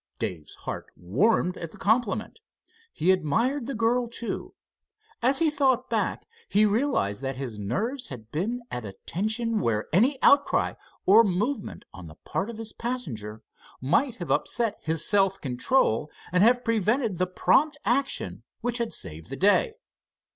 Dave's heart warmed at the compliment. He admired the girl, too. As he thought back, he realized that his nerves had been at a tension where any outcry or movement on the part of his passenger might have upset his self control, and have prevented the prompt action which had saved the day.